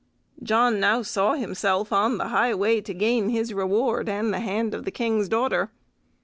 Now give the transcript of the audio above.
John now saw himself on the high way to gain his reward and the hand of the King's daughter.